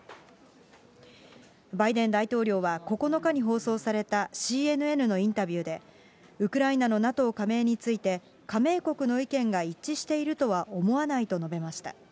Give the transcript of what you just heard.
バイデン大統領は９日に放送されたＣＮＮのインタビューで、ウクライナのＮＡＴＯ加盟について、加盟国の意見が一致しているとは思わないと述べました。